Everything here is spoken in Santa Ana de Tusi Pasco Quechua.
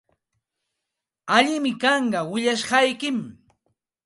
Allinmi kanqa willashqaykim.